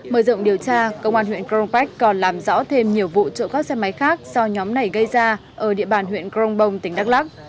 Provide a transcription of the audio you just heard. mở rộng điều tra công an huyện cronpac còn làm rõ thêm nhiều vụ trộm các xe máy khác do nhóm này gây ra ở địa bàn huyện cronpong tỉnh đắk lắc